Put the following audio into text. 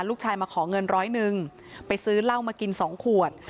ลูกชายมาขอเงินร้อยหนึ่งไปซื้อเหล้ามากิน๒ขวด